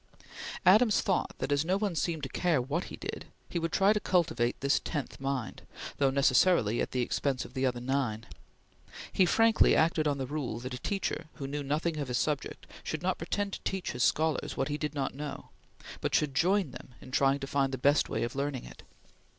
Adams thought that, as no one seemed to care what he did, he would try to cultivate this tenth mind, though necessarily at the expense of the other nine. He frankly acted on the rule that a teacher, who knew nothing of his subject, should not pretend to teach his scholars what he did not know, but should join them in trying to find the best way of learning it.